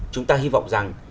chúng ta hy vọng rằng